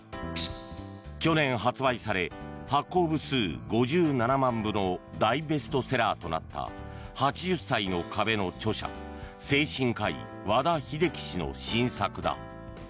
去年発売され発行部数５７万部の大ベストセラーとなった「８０歳の壁」の著者精神科医・和田秀樹氏の新作だ。